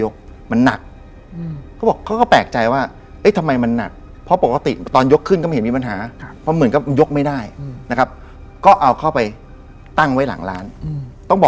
แกจะเป็นคนที่มีเซนต์